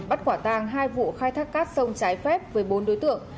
bắt quả tàng hai vụ khai thác cát sông trái phép với bốn đối tượng